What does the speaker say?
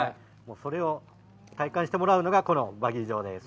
それを体感してもらうのがこのバギー場です。